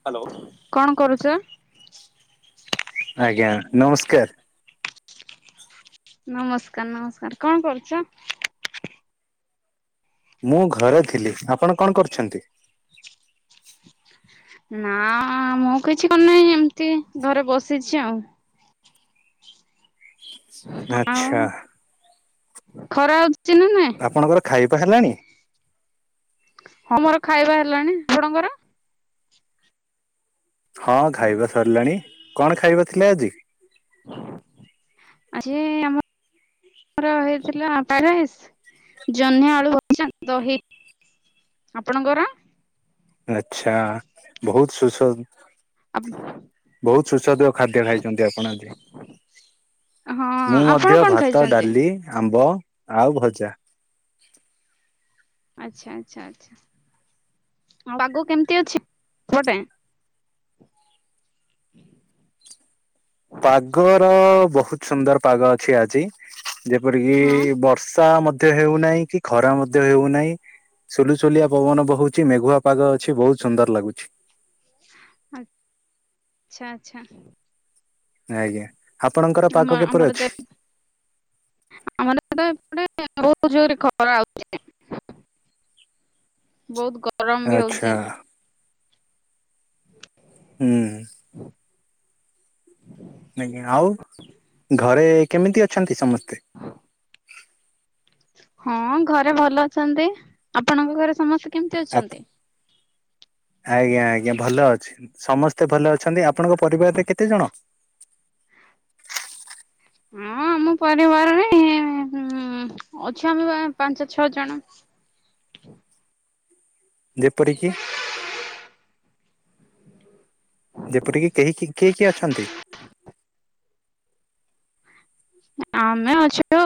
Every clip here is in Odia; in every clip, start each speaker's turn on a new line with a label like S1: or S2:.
S1: ହ୍ୟାଲୋ କଣ କରୁଚ?
S2: ଆଜ୍ଞା ନମସ୍କାର।
S1: ନମସ୍କାର ନମସ୍କାର, କଣ କରୁଚ?
S2: ମୁଁ ଘରେ ଥିଲି, ଆପଣ କଣ କରୁଛନ୍ତି?
S1: ନା ମୁଁ କିଛି କରୁନେଇ ଏମତି ଘରେ ବସିଚି ଆଉ। ଆଉ
S2: ଆଚ୍ଛା।
S1: ଖରା ନା ନାଇଁ?
S2: ଆପଣଙ୍କର ଖାଇବା ହେଲାଣି?
S1: ହଁ ମୋର ଖାଇବା ହେଲାଣି, ଆପଣଙ୍କର?
S2: ହଁ ଖାଇବା ସରିଲାଣି, କଣ ଖାଇବା ଥିଲା ଆଜି?
S1: ଆ [unintelligible] ଆମର ମୋର ହେଇଥିଲା [unintelligible] ଜହ୍ନି ଆଳୁ ଭଜା ଦହି ଆପଣଙ୍କର
S2: ଆଚ୍ଛା ବୋହୁତ ସୁସ୍ୱା
S1: ଆ
S2: ବୋହୁତ ସୁସ୍ୱାଦୁ ଖାଦ୍ୟ ଖାଇଚନ୍ତି ଆପଣ ଆଜି।
S1: ହଁ
S2: ମୁଁ
S1: ଆପଣ
S2: ମଧ୍ୟ
S1: କଣ
S2: ଭାତ,
S1: ଖାଇଛନ୍ତି?
S2: ଡାଲି, ଆମ୍ବ ଆଉ ଭଜା।
S1: ଆଚ୍ଛା ଆଚ୍ଛା ଆଚ୍ଛା। ପାଗ କେମିତି ଅଛି ସେପଟେ?
S2: ପାଗ ର ବୋହୁତ ସୁନ୍ଦର ପାଗ ଅଛି ଆଜି। ଯେପରିକି
S1: ହଁ
S2: ବର୍ଷା ମଧ୍ୟ ହେଉନାହିଁ କି ଖରା ମଧ୍ୟ ହେଉନାହିଁ। ସୁଲୁସୁଲିଆ ପବନ ବହୁଚି ମେଘୁଆ ପାଗ ଅଛି ବୋହୁତ ସୁନ୍ଦର ଲାଗୁଚି।
S1: ଆ ଆଚ୍ଛା ଆଚ୍ଛା।
S2: ଆଜ୍ଞା ଆପଣଙ୍କର
S1: ଆମ
S2: ପାଗ କିପରି
S1: ଆମର ତ
S2: ଅଛି?
S1: ଗୋ [inaudible] ଜୋରେ ଖରା ହୋଉଚି, ବୋହୁତ ଗ ଗରମ ବି
S2: ଆଚ୍ଛା
S1: ହୋଉଚି।
S2: ହୁଁ। ଆଜ୍ଞା, ଆଉ ଘରେ କେମିତି ଅଛନ୍ତି ସମସ୍ତେ?
S1: ହଁ ଘରେ ଭଲ ଅଛନ୍ତି, ଆପଣଙ୍କ ଘରେ ସମସ୍ତେ? କେମିତି ଅଛନ୍ତି?
S2: ଆଜ୍ଞା ଆଜ୍ଞା ଭଲ ଅଛି, ସମସ୍ତେ ଭଲ ଅଛନ୍ତି, ଆ ଆପଣଙ୍କ ପରିବାରରେ କେତେ ଜଣ?
S1: ହଁ ଆମ ପରିବାରରେ ଅଛ ଆମେ ପାଞ୍ଚ ଛଅ ଜଣ
S2: [inaudible] ଯେପରିକି ଯେପଟିକି କେହି କିଏ କିଏ ଅଛନ୍ତି?
S1: ଆମେ ଅଛୁ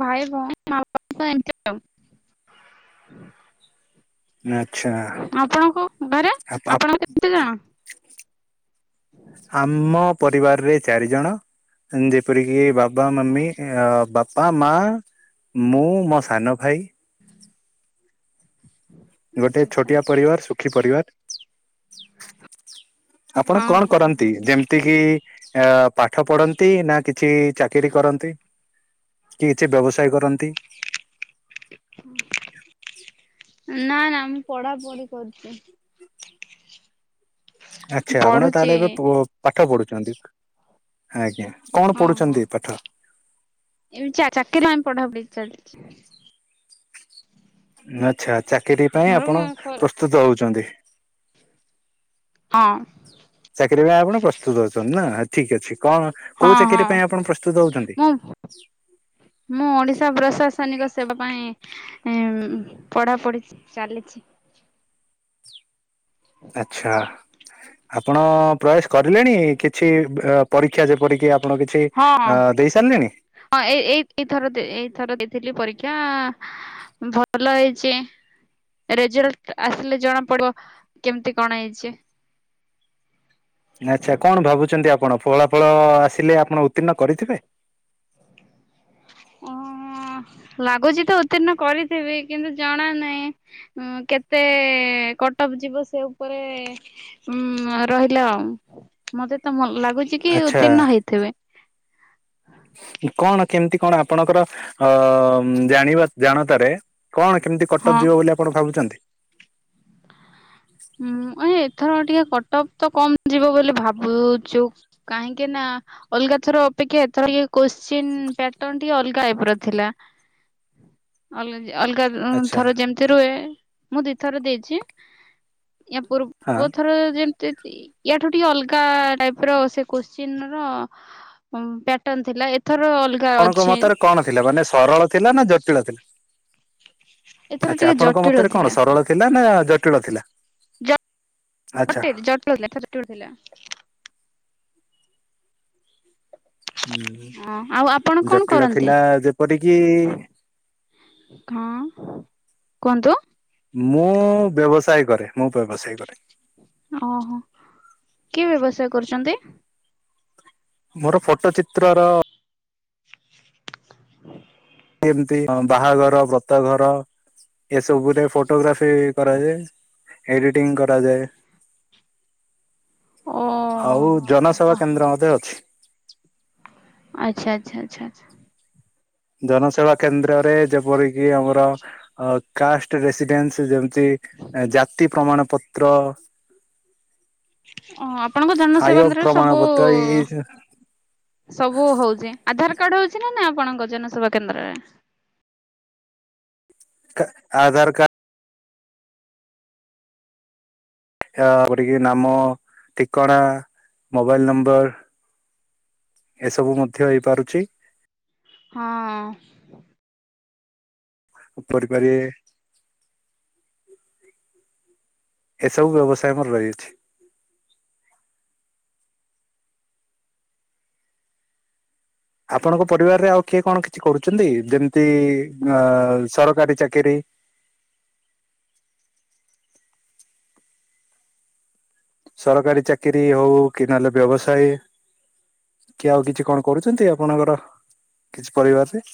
S1: ଭାଇ ଭଉଣୀ ମା ବାପା ଏମିତି ଆଉ ହୁଁ
S2: ଆଚ୍ଛା
S1: ଘରେ
S2: ଆ ଆ
S1: ଆପଣ କେତେ ଜଣ?
S2: ଆମ ପରିବାରରେ ଚାରି ଜଣ ଯେପରିକି ବାବା ମମି ବା ବାପା ମା ମୁଁ ମୋ ସାନ ଭାଇ। ଗୋଟେ
S1: ଆଚ୍ଛା ଆଚ୍ଛା
S2: ଛୋଟିଆ ପରିବାର ସୁଖୀ ପରିବାର। ଆପଣ
S1: ହଁ
S2: କଣ
S1: ହଁ
S2: କରନ୍ତି
S1: ହଁ
S2: ଯେମିତି କିି ଅ ପାଠ ପଢ଼ନ୍ତି ନା କିଛି ଚାକିରୀ କରନ୍ତି? କି କିଛି ବ୍ୟବସାୟ କରନ୍ତି।
S1: ନା ନା ମୁଁ ପଢ଼ା ପଢ଼ି କରୁଚି।
S2: ଆଚ୍ଛା ଆପଣ
S1: ପଢୁଛି
S2: ତାହେଲେ ଏବେ ପ ପାଠ ପଢୁଛନ୍ତି ଆଜ୍ଞା। କଣ
S1: ଓ ହୋ
S2: ପଢୁଛନ୍ତି ପାଠ?
S1: ଏ ଚା ଚାକିରି [unintelligible] ପଢା ପଢି ଚାଲିଛି।
S2: ଆଚ୍ଛା ଚାକିରୀ ପାଇଁ
S1: ମୋର
S2: ଆପଣ
S1: ସରୁ
S2: ପ୍ରସ୍ତୁତ ହଉଚନ୍ତି।
S1: ହଁ
S2: ଚାକିରୀ ପାଇଁ ଆପଣ ପ୍ରସ୍ତୁତ ଅଛନ୍ତି ନା ଠିକ୍ ଅଛି। କଣ କୋଉ
S1: ହଁ ହଁ
S2: ଚାକିରି ପାଇଁ ଆପଣ ପ୍ରସ୍ତୁତ ହଉଚନ୍ତି?
S1: ମୁଁ ମୁଁ ଓଡି଼ଶା ପ୍ରଶାସନିକ ସେବା ପାଇଁ ପଢ଼ା ପଢ଼ି ଚାଲିଚି।
S2: ଆଚ୍ଛା। ଆପଣ ପ୍ରୟାସ କରିଲେଣି କିଛି ପରୀକ୍ଷା ଯେପରିକି ଆ
S1: ହଁ ହଁ ଏ ଏଇ ଏଇଥର ଏଇଥର ଦେଇଥିଲି ପରୀ [unintelligible] ଭଲ ହେଇଚି। ରେଜଲ୍ଟ ଆସିଲେ ଜଣା ପଡିବ କେମିତି କଣ ହେଇଚି।
S2: [inaudible] ଆଚ୍ଛା କଣ ଭାବୁଛନ୍ତି ଆପଣ ଫଳା ଫଳ ଆସିଲେ ଆପଣ ଉତ୍ତୀର୍ଣ୍ଣ କରିଥିବେ? [inaudible]
S1: [unintelligible] ହଁ ଲାଗୁଚି ତ ଉତ୍ତୀର୍ଣ୍ଣ କରିଥିବି କିନ୍ତୁ ଜଣା ନାହିଁ କେତେ କଟ ଅପ୍ ଯିବ ସେ ଉପରେ ଉଁ ରହିଲା ମତେ ତ ଲାଗ ବୁଝିକି
S2: ଆଚ୍ଛା
S1: ଉତ୍ତୀର୍ଣ୍ଣ ହେଇଥିବେ।
S2: କଣ କେମିତି କଣ ଆପଣଙ୍କର ଅ ଜାଣିବା ଜାଣତାରେ? କଣ କେମିତି କଟ
S1: ହଁ।
S2: ଅପ୍ ଯିବ ବୋଲି ଆପଣ ଭାବୁଚନ୍ତି?
S1: ହୁଁ ଏ ଏଥର ଟିକେ କଟ ଅପ୍ ତ କମ ଯିବ ବୋଲି ଭାବୁଛୁ କାହିଁକି ନା ଅଲଗା ଥର ଅପେକ୍ଷା ଏଥର ଟିକେ [unintelligible] ଟିକେ ଅଲଗା [unintelligible] ର ଥିଲା।
S2: ଁ
S1: ଅଲ ଅଲଗା ଥର ଯେମିତି ରୁହେ ମୁଁ ଦିଥର ଦେଇଚି। ଇୟା
S2: ହଁ
S1: ପୂର୍ବ ଥର ଯେମ ୟାଠୁ ଟିକେ ଅଲଗା ଟାଇପ୍ ର ସେ କୋଶ୍ଚିନ ର ପ୍ୟାଟନ୍ ଥିଲା ଏ
S2: ଆପଣଙ୍କ ମତରେ କଣ ଥିଲା ମାନେ ସରଳ ଥିଲା ନା ଜଟିଳ ଥିଲା?
S1: ଏଥର
S2: ଆଚ୍ଛା
S1: ଟିକେ
S2: ଆପଣଙ୍କ
S1: ଜଟିଳ
S2: ମତରେ
S1: ଥିଲା।
S2: କଣ ସରଳ ଥିଲା ନା ଜଟିଳ ଥିଲା? ଆଚ୍ଛା
S1: [unintelligible]
S2: ହୁଁ।
S1: ହଁ ଆଉ ଆପଣ କଣ
S2: ଜଟିଳ
S1: କରନ୍ତି?
S2: ଥିଲା ଯେପରିକି
S1: ହଁ କୁହନ୍ତୁ।
S2: ମୁଁ ବ୍ୟବସାୟ କରେ ମୁଁ ବ୍ୟବସାୟ କରେ।
S1: ଓହୋ କି ବ୍ୟବସାୟ କରୁଚନ୍ତି?
S2: ମୋର ଫଟୋ ଚିତ୍ର ର ଏମତି ବାହାଘର, ବ୍ରତ ଘର। ଏସବୁରେ ଫଟୋଗ୍ରାଫି କରାଯାଏ ଏଡିଟିଂ କରାଯାଏ।
S1: ଓ
S2: ଆଉ
S1: ହଁ ହଁ ହଁ
S2: ଜନସେବା
S1: ହଁ
S2: କେନ୍ଦ୍ର ମଧ୍ୟ ଅଛି।
S1: ଆଚ୍ଛା ଆଚ୍ଛା ଆଚ୍ଛା।
S2: ଜନସେବା କେନ୍ଦ୍ରରେ ଯେପରିକି ଆମର କାଷ୍ଟ ରେସିଡେନ୍ସ ଯେ ତୀ ଜାତି ପ୍ରମାଣ ପତ୍ର
S1: ଓ ଆପଣଙ୍କ ଜନ
S2: ଆୟ
S1: ସେବାକେନ୍ଦ୍ରରେ
S2: ପ୍ରମାଣ
S1: ସବୁ
S2: ପତ୍ର ଏଇ
S1: ସବୁ [unintelligible] ଆଧାର କାର୍ଡ ହୋଉଚି ନା ନା ଆପଣଙ୍କ ଜନସେବା କେନ୍ଦ୍ରରେ?
S2: ଆଧାର କା ଆ ଗୋଟି ନାମ, ଠିକଣା, ମୋବାଇଲ ନମ୍ବର। ଏସବୁ ମଧ୍ୟ ହେଇପାରୁଚି।
S1: ହଁ।
S2: କରିପାରିବେ। ଏସବୁ ବ୍ୟବସାୟ ମୋର ରହିଅଛି। ଆପଣଙ୍କ ପରିବାରରେ ଆଉ କିଏ କଣ କିଛି କରୁଚନ୍ତି, ଯେମିତି ଅ ସରକାରୀ ଚାକିରୀ? ସରକାରୀ ଚାକିରି ହୋଉ କି ନହେଲେ ବ୍ୟବସାୟୀ କି ଆଉ କିଛି କଣ କରୁଚନ୍ତି ଆପଣଙ୍କର କିଛି ପରିବାରର?